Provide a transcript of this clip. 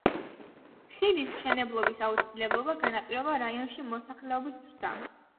ხიდის მშენებლობის აუცილებლობა განაპირობა რაიონში მოსახლეობის ზრდამ.